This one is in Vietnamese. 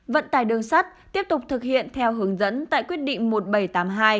vận tải đường sắt tiếp tục thực hiện theo hướng dẫn tại quyết định một nghìn bảy trăm tám mươi hai